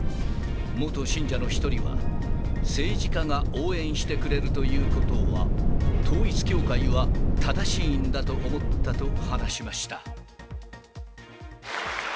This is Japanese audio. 元信者の一人は、政治家が応援してくれるということは、統一教会は正しいんだと思ったと話しました。